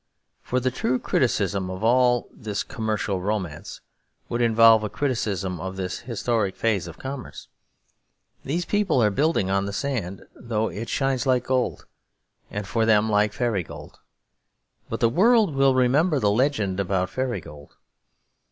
For the true criticism of all this commercial romance would involve a criticism of this historic phase of commerce. These people are building on the sand, though it shines like gold, and for them like fairy gold; but the world will remember the legend about fairy gold.